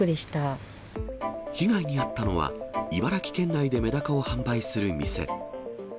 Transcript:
被害に遭ったのは、茨城県内でめだかを販売する店。